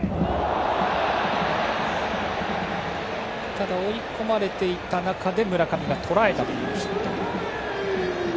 ただ、追い込まれていた中で村上がとらえたという。